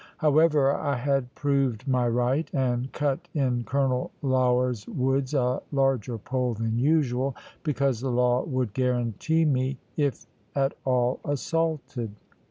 However, I had proved my right, and cut in Colonel Lougher's woods a larger pole than usual, because the law would guarantee me, if at all assaulted.